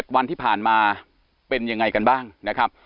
๗วันที่ผ่านมาเป็นยังไงกันบ้างนะครับ